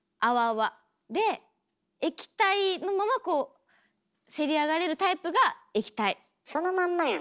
で液体のままこうせり上がれるタイプが液体。